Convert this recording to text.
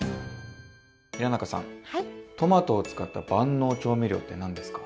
平仲さんトマトを使った万能調味料って何ですか？